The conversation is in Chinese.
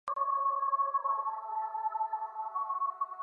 现在的小型赛车主要被分为以下车种。